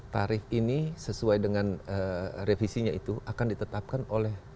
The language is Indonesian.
tarif ini sesuai dengan revisinya itu akan ditetapkan oleh